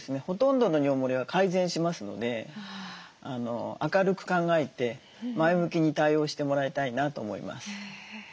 ほとんどの尿もれは改善しますので明るく考えて前向きに対応してもらいたいなと思います。